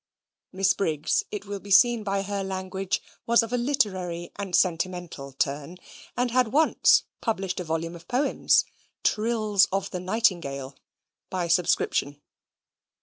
Miss Briggs, it will be seen by her language, was of a literary and sentimental turn, and had once published a volume of poems "Trills of the Nightingale" by subscription.